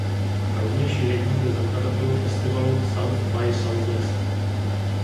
Rovněž je jedním ze zakladatelů festivalu South by Southwest.